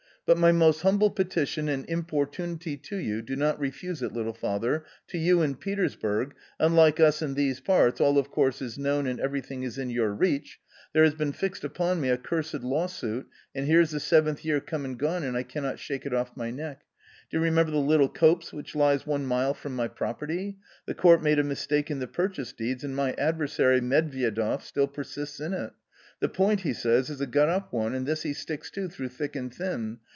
" But my most humble petition and importunity to you — do not refuse it< little father — to you in Petersburg, unlike us in these parts, all of course is known and every thing is in your reach. There has been fixed upon me a cursed lawsuit, and here's the seventh year come and gone, and I cannot shake it off my neck. Do you remember the little copse which lies one mile from my property ? The court made a mistake in the purchase deeds, and my adver sary, Medvyedev, still persists in it ; the point, he says, is a got up one, and this he sticks to through thick and thin.